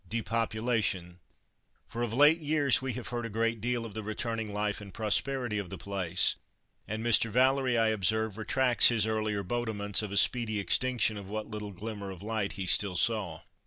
depopulation; for of late years we have heard a great deal of the returning life and prosperity of the place; and Mr. Valery, I observe, retracts his earlier bodements of a speedy extinction of what little glimmer of light he still saw.